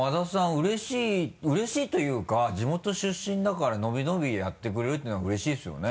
うれしいうれしいというか地元出身だからのびのびやってくれるっていうのはうれしいですよね？